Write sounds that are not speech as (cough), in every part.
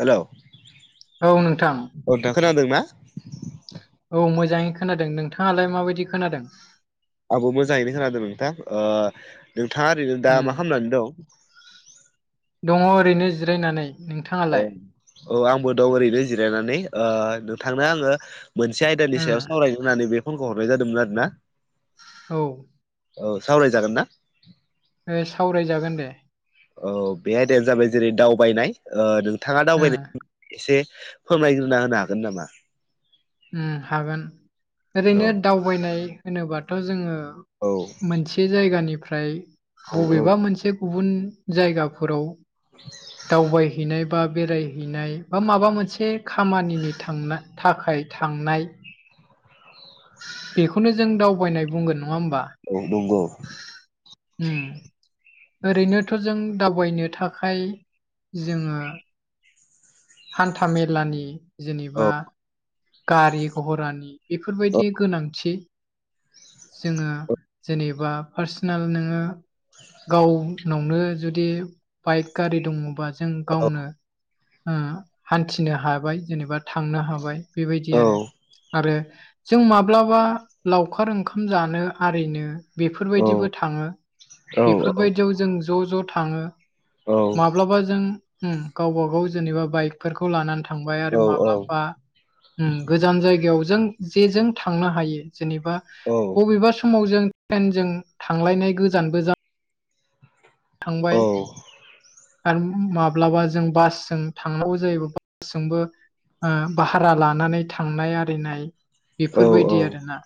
Hello औ नोंथां अ नोंथां खोनादों ना औ मोजाङै खोनादों नोंथाङालाय माबायदि खोनादों आंबो मोजाङैनो खोनादों नोंथां ओ नोंथाङा ओरैनो दा उम मा खामनानै दं दङ ओरैनो जिरायनानै औ नोंथाङालाय औ आंबो दं ओरैनो जिरायनानै ओ नोंथांनो आङो मोनसे आयदानि उम सायाव सावराय होननानै बे फनखौ हरनाय जादोंमोन आरोना। औ औ सावरायजागोन ना सावरायजागोन दे औ बे आयदायानो जाबाय जेरै दावबायनाय नोंथाङा उम दावबायनाय एसे फोरमायग्रोना होनो हागोन नामा। अम हागोन औ ओरैनो दावबायनाय होनोबाथ' जोंङो औ मोनसे जायगानिफ्राय औ औ बबेबा मोनसे गुबुन जायगाफोराव दावबायहैनाय बा बेरायहैनाय बा माबा मोनसे खामानिनि थांनो थाखाय थांनाय बेखौनो जों दावबायनाय बुंगोन नङा होमबा औ नंगौ अम ओरैनोथ' जों दावबायनो थाखाय जोंङो हान्था मेलानि औ जेनेबा गारि घरानि औ बेफोरबायदि गोनांथि जोंङो औ जेनेबा पार्सनेल नोङो गावनावनो जुदि बाइक गारि दङबा जों गावनो हान्थिनो हाबाय जेनेबा थांनो हाबाय बेबायदि औ आरो आरो जों माब्लाबा लावखार ओंखाम जानो आरिनो औ बेफोरबायदिबो थाङो औ बेफोरबायदियाव जों ज' ज' थाङो औ माब्लाबा जों गावबा गाव जेनेबा बाइकफोरखौ लानानै थांबाय आरो माब्लाबा गोजान जायगायाव जों जेजों थांनो हायो जेनेबा बबेबा समाव जों जों थांलायनाय गोजानबो ज थांबाय। आरो माब्लाबा जों बासजों थांनांगौ जायोब बासजोंबो भाहारा लानानै थांनाय आरिनाय औ औ बेफोरबायदि आरोना?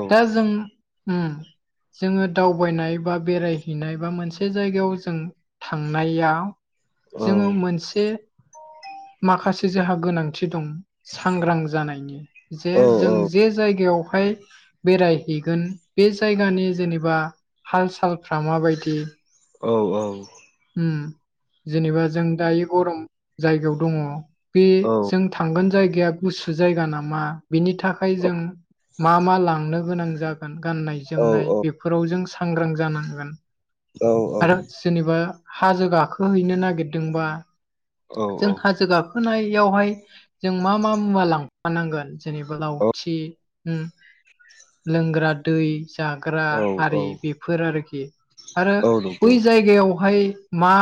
औ दा जों अम जोंङो दावबायनाय बा बेरायहैनाय बा मोनसे मोनसे जायगायाव जों थांनायाव औ नंगौ जोंङो मोनसे माखासे जोंहा गोनांथि दं सांग्रां जानायनि जे जों जे जायगायावहाय बेरायहैगोन बे जायगानि जेनेबा हाल सालफ्रा माबायदि औ औ उम जेनेबा जों दायो गरम जायगायाव दङ बे जों थांगोन जायगाया गुसु जायगा नामा बिनि थाखाय जों मा मा लांनो गोनां जागोन गाननाय जोमनाय बेफोराव जों सांग्रां जानांगोन। औ औ आरो जेनेबा हाजो गाखोहैनो नागिरदोंबा जों हाजो गाखो होनायावहाय जों मा मा मुवा लांफानांगोन जेनेबा लावथि लोंग्रा दै जाग्रा आरि बेफोर आरोखि आरो बै जायगायावहाय मा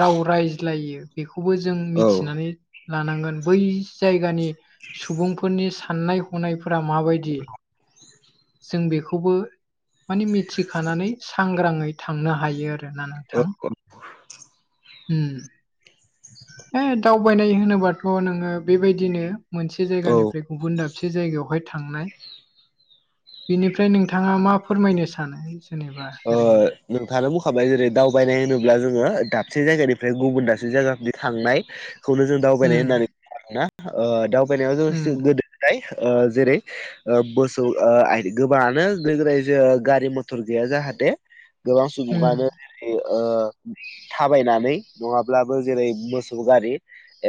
राव रायज्लायो बेखौबो जों औ मिथिनानै लानांगोन बै जायगानि सुबुंफोरनि साननाय हनायफोरा माबायदि? जों बेखौबो माने मिथिखानानै सांग्राङै थांनो हायो आरो औ (unintelligible) थां उम दावबायनाय होनोबाथ' नोङो बेबायदिनो मोनसे औ जायगानिफ्राय गुबुन दाबसे जायगायावहाय थांनाय बिनिफ्राय नोंथाङा मा फोरमायनो सानो जेनेबा अ ओरैनो नोंथाङा बुंखाबाय जेरै दावबायनाय होनोब्ला जोङो दाबसे जायगानिफ्राय गुबुन दाबसे जायगानिफोरनि थांनाय खौनो जों दावबायनाय होननानै उम बुं मोना दावबायनायाव उम जों गोदाय जेरै मोसौ गोबाङानो गोरायजो गारि मथर गैया जाहाथे गोबां उम सुबुुङानो थाबायनानै नङाब्लाबो जेरै मोसौ गारि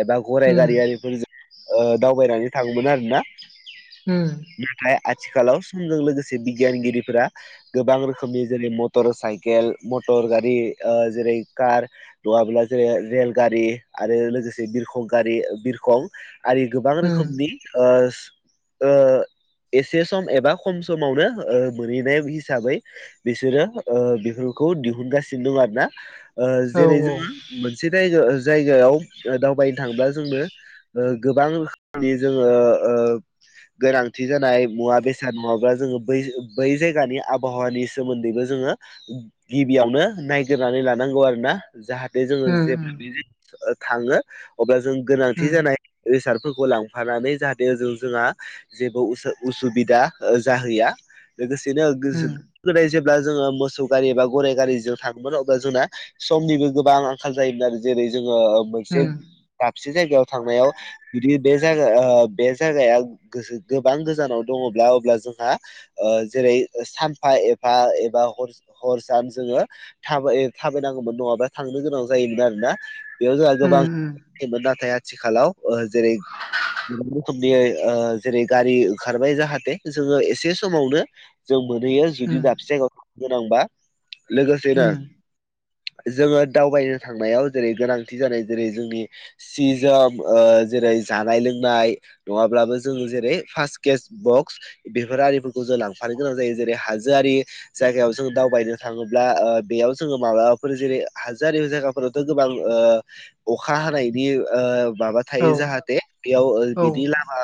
एबा गराइ उम गारियारिफोरजों ओ दावबायनानै थाङोमोन आरोना? उम नाथाय आथिखालाव समजों लोगोसे बिगियानगिरिफोरा गोबां रोखोम जि जेरै मटर साइकेल मटर गारि जेरै कार नङाब्ला जेरै रेल गारि आरो लोगोसे बिरखं गारि बिरखं आरि गोबां उम रोखोमनि एसे सम एबा खम समावनो मोनहैनाय हिसाबै बिसोरो बेफोरखौ दिहुनगासिनो दं आरो ना जेरै औ जोङो मोनसे जायगा जायगायाव दावबायनो थांब्ला जोंनो ओ गोबां रोखोमनि जोङो गोनांथि जानाय मुवा बेसाद नङाब्ला जोङो बै बै जायगानि आबहावानि सोमोन्दैबो जोङो गिबियावनो नायगिरनानै लानांगौ आरो ना? जाहाथे जोङो जेब्ला थाङो अब्ला जों गोनांथि उम जानाय रिसार्टफोरखौ लांफानानै जाहाथे ओजों जोंहा जेबो उसुबिदा जाहैया उम लोगोसेनो गोदाय जेब्ला जोङो मोसौ गारि एबा गाइ गारिजों थाङोमोन अब्ला जोंना समनिबो गोबां आंखाल जायोमोन आरो जेरै जोङो मोनसे उम दाबसे जायगायाव थांनायाव जुदि बे जागा बे जायगाया गोगोबां गोजानाव दङब्ला अब्ला जोंहा ओ जेरै सानफा एफा एबा हर सान जोङो थाबाय थाबायनांगौमोन नङाबा थांनो गोनां जायोमोन आरोना बेयाव जोंहा उम गोबां थेबो नाथाय आथिखालाव जेरै गोां रोखोमनि जेरै गारि ओंखारबाय जाहाथे जोङो एसे समावनो जों मोनहैयो उम जुदि दाबसे जायगाव गोनांबा लोगोसेनो उम जोङो दावबायनो थांनायाव जेरै गोनांथि जानाय जेरै जोंनि सि जोम ओ जेरै जानाय लोंनाय नङाब्लाबो जोङो जेरै फार्स्ट केस बक्स बेफोर आरिफोरखौ जों लांफानो गोनां जायो जेरै हाजोआरि जायगायाव जों दावबायनो थाङोब्ला ओ बेयाव जोङो माब्लाबाफोर जेरै हाजारज खन'थ' गोबां अखा हानायनि माबा औ थायो जाहाथे बेयाव औ बिनि लामा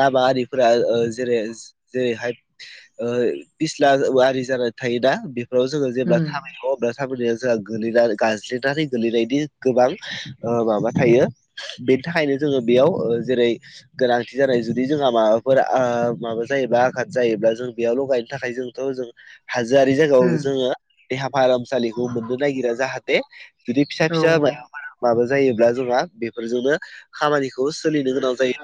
लामा आरिफोराओ जेरै जेरैहाय ओ फिस्ला आरि जानानै थायोना बेफोराव जोङो जेब्ला उम थाबाय थङ अब्ला खोथा जोंहा गोैना गाज्ललिनानै गोलैनायनि गोबां माबा थायो बेनि थाखायनो जोङो बेयाव ओजेरै गोनांथि जानाय जुदि जोंहा माबाफोर माबा आ जायोबब्ला आघाद जायोब्ला जों बेयावलगायनो थाखाय जों थ' जों हाजोआरि जायगायाव उम जोङो देहा फाहामसालिखौ मोननो नागिरा जाहाथे जुदि फिसा औ फिसा मा औ माबा जायोब्ला जोंहा बेफोरजोंनो खामानिखौ सोलिनो गोनां जायो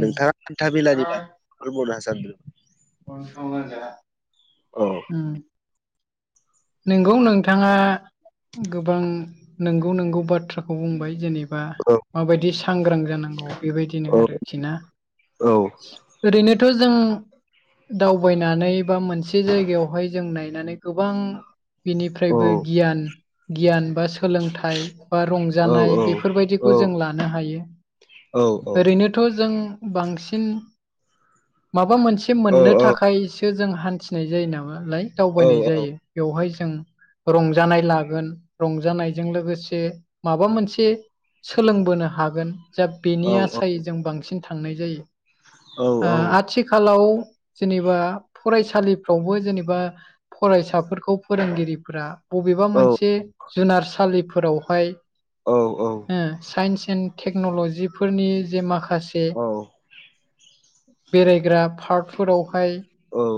नोंथाङा हान्थाामेलानि (unintelligible) बसगर दा औ उम नोंगौ नोंथाङा गोबां नंगौ नंगौ बाथ्राखौ बुंबाय जेनेबा औ माबायदि सांग्रां जानांगौ बेबायदिनो औ आरोखि ना आं ओरैनोथ' जों दावबायनानै बा मोनसे जायगायावहाय जों नायनानै गोबां बिनिफ्रायबो गियान गियान बा सोलोंथाइ बा रंज जानाय बेफोरबायदिखौ जों लानो हायो ओरैनो थ' जों बांसिन माबा मोनसे मोननो थाखाय जों हान्थिनाय जायो नामालाय दावबायनाय जायो बेवहाय जों रंजानाय लागोन रंजानायजों लोगोसे माबा मोनसे सोलोंबोनो हागोन जा बेनि आसायै जों बांसिन थांनाय जायो ओआथि आथिखालाव जेनेबा फरायसालिफ्रावबो जेनेबा फरायसाफोर खौ फोरोंगिरिफोरा बबेबा मोनसे जुनारसालिफोरावहाय औ औ ओ साइन्स एन्ड टेक्न'लजिफोरनि जे माखासे बेरायग्रा पार्कफोरावहाय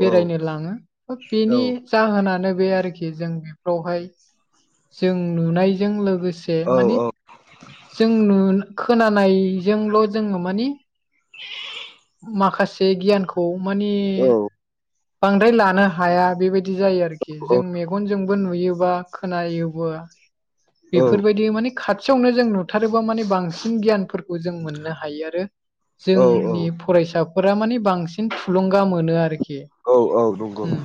बेरायनो लाङो बा बेनि जाहोनानो बे आरोखि जों बेफोरावहाय जों नुनायजों लोगोसे मानि जों नु खोनानायजोंल' जोङो मानि माखासे गियानखौ मानिे बांद्राय लानो हाया बेबायदि जायो आरो आरोखि जों मेगनजोंबो नुयोबा खोनायोबो बेफोरबायदि माने खाथियावनो जों नु हाथारोबा माने बांसिन गियानफोरखौ जों मोननो हायो आरो जोंनि फरायसाफोरा मानिे बांसिन थुलुंगा मोनो आरोखि औ औ नंगौ उम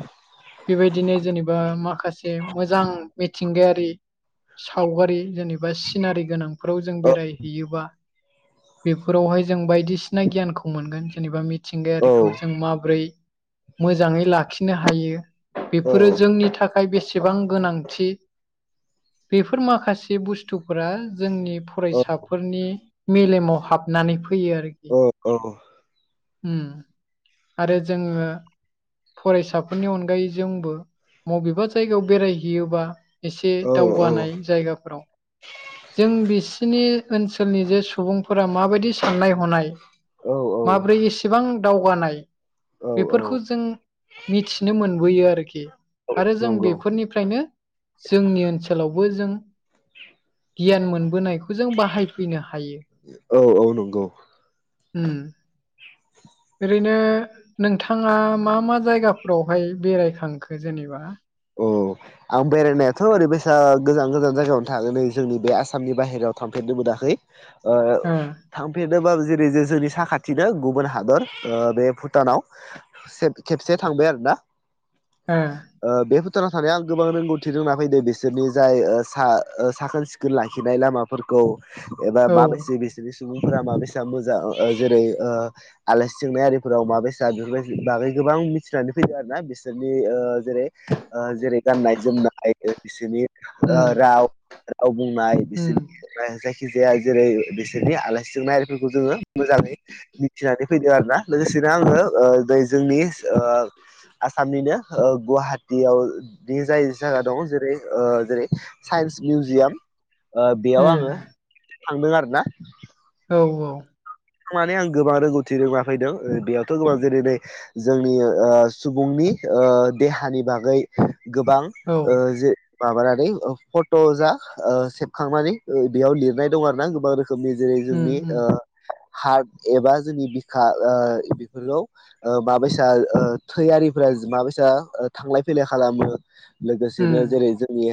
बेबायदिनो जेनेबा माखासे मोजां मिथिंगायारि सावगारि जेनेबा सिनारि गोनांफोराव जों बेरायहैयोबा बेफोरावहाय जों बायदिसिना गियानखौ मोनगोन जेनेबा मिथिंगायारिखौ जों माबोरै मोजाङै लाखिनो हायो बेफोरो जोंनि थाखा थाखाय बेसेबां गोनांथि बेफोर माखासे बुस्थुफोरा जोंनि फरायसाफोरनि मेलेमाव हाबनानै फैयो आरो औ औ ओम आरो जोङो फरायसाफोरनि अनगायै जोंबो बबेबा जायगायाव बेरायहैयोबा एसे दावगानाय जायगाफोराव। जों बिसिनि ओनसोलनि जे सुबुंफोरा माबायदि साननाय हनाय औ औ। माब्रै एसेबां दावगानाय बेफोरखौ जों मिथिनो मोनबोयो आरोखि आरो जों बेफोर फोरनिफ्रायनो जोंनि ओनसोलावबो जों गियान मोनबोनायखौ जों बाहायफैनो हायो। औ औ नंगौ। ओम। ओरैनो नोंथाङा मा मा जायगाफोरावहाय बेरायखांखो जेनेबा अ आं बेरायनायाथ' ओरैबायसा गोजान गोजान जायगायावनो थाङ नै जोंनि बे आसामनि बाहेरायाव थांफेरनो मोनाखै ओ थांफेरनोबाबो जेरै जे जोंनि साखाथिनो गुबुन हादर ओ बे भुटानाव सेब खेबसे थांबाय आरोना। ओ। बे फोथाराव थानायाव आं गोबां रोंगौथि रोंना फैद बिसोरनि जाय ओ सा ओ साखोन सिखोन खो लाखिनाय लामाफोरखौ एबा ओ औ माबायसे नि सुबुंफोरा माबेसा मोजां ओ आ जेरै ओ आलासि जोंनाय आरिफोराव मा बायसा बेफोरबाय बागै गोबां मिथिनानै फैदों आरोना बिसोरनि जेरै ओ ओ जेरै गाननाय जोमनाय बिसोरनि ओ उम राव राव बुंनाय उम बिसोरनि जायखिजाया जेरै बिसोरनि आलासिजों नायिफोरखौ जोङो मोजाङै मिथिनानै फैदों आरोना लोगोसेनो आङो ओ नै जोंनि ओ आसामनिनो ओ गुवाहाट दैयाव जि जायि साना दं जेरै ओ साइन्स मिउजियाम ओ बेयाव आङो थांदों आरोना। औ औ। माने आं गोबां रोंगौथि रोंना फैदों बेयावथ' गोबां जेरै नै जोंनि ओ सुबुंनि ओ देहानि बागै गोबां औ ओ जे माबानानै फट' जा ओ सेबखांनानै बेयाव लिरनाय दं आरो ना गोबां रोखोम रोखोमनि जेरै उम जोंनि उम ओ हार्ट एबा जोंनि बिखा ओ बेफोरखौ ओ माबायसा ओ थैयारिफोरा माबायसा थांलाय फैलाय खालामो। उम लोगोसेनो जेरै जोंनि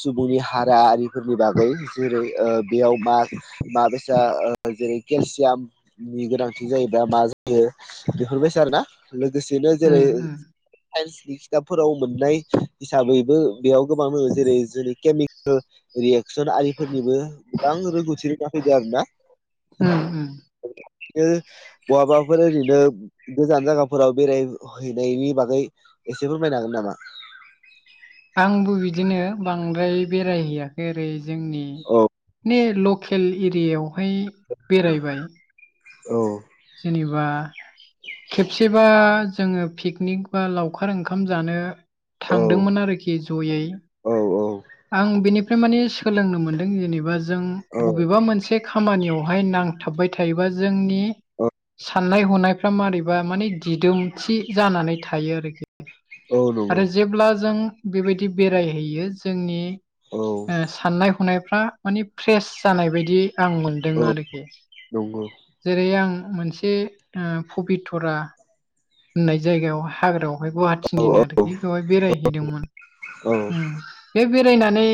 सुबुंनि हारा आरिफोरनि बागै जेरै ओ बेयाव मा मा माबसा जेरै केलसियामनि गोनांथि जायोब्लाा मा जायो बेफोरबायदिो आरो ना। लोगोसेनो जेरै उम उम साइन्सनि खिथाबफोराव मोननाय हिसाबैबो बेयाव गोबां दङ जेरै जोंनि केमिकेल रियेक्सन आरिफोरनिबो गोबां रोंगौथि रोङा फैदों आरोना। ओं ओं। बिनो बहाबाफोर ओरैनो गोजान जायगाफोराव बेराय हैैनायनि बागै एसे फोरमायनो हागोन नामा आंबो बिदिनो बांद्राय बेरायहैयाखै ओरै जोंनि औ बे ल लकेल एरियायावहाय बेरायबाय औ जेनेबा खेबसेबा जोङो पिकनिक बा लावखार ओंखाम जानो औ थांदोंमोन आरोखि जयै औ आं बिनि मफ्राय माने सोलोंनो मोन्दों जेनेबा जों औ बबेबा मोनसे खामानियावहाय नांथाबबाय थायोबा जोंनि अ साननाय हनायफ्रा मारैबा माने दिदोमथि जानानै थायो आरोखि औ नंगौ आरो जेब्ला जों बेबायदि बेरायहैयो जोंनि औ साननाय हनायफ्रा मानिे फ्रेस जानाय बायदि आं मोन औ बङादख नंगौ जेरै आं मोनसे पबितरा होननाय जायगायाव हाग्रायाव बेवहाय औ गुवाहाटिनिनो आरोखि बेवहाय बेरायहैदोंमोन औ बे बेरायनानै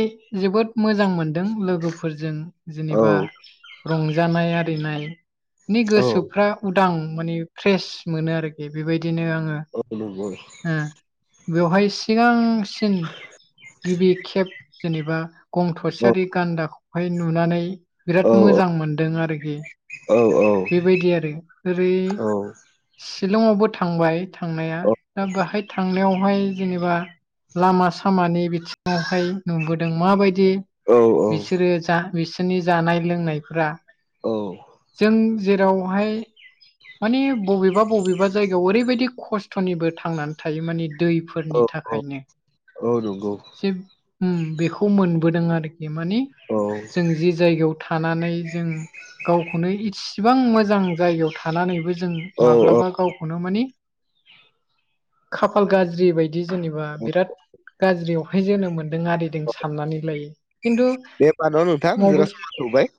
जोबोद मोजां मोनदों लोगोफोरजों औ जेनेबा रंजानाय आरिनाय नि औ गोसोफ्रा उदां मानिे फ्रेस मोनो आरोखि बेबायदिनो आङो गगल ओ बेवहाय सिगांसिन गिबि खेब जेनेबा गं औ थसेयारि गान्दाखौहाय नुनानै बिराद औ मोजां मोनदों आरोखि औ औ बेबायदि आरो ओरै शलंआवबो थांबाय थांनाया दा बेहाय थांनायावहाय जेनेबा लामा सामानि बिथिङावहाय नुबोदों माबायदि औ औ बिसोरो जा बिसोरनि जानाय लोंनायफोरा जों जेरावहाय माने बबेबा बबेबा जायगायाव ओरैबायदि खस्थ'निबो थांनानै थायो माने औ दैफोरनि थाखायनो औ नंगौ ज बेखौ मोनबोदों आरोखि माने औ जों जि जायगायाव थानानै जों गावखौनो इसिबां मोजां जायगायाव थानानैबो जों औ माब्लाबा गावखौनो मानिे खाफाल गाज्रि बायदि जेनेबा बिराद गाज्रियावहाय जोनोम मोन्दों आरिदों सामनानै लायो खिन्थु बे बानाव नोंथां जिरा मबाइल समाय सौबाय